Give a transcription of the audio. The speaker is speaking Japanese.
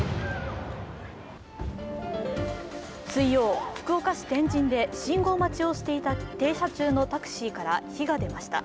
水曜、福岡市天神で信号待ちをしていた停車中のタクシーから火が出ました。